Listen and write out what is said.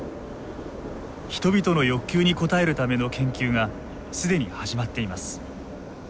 人々の欲求に応えるための研究が既に始まっています。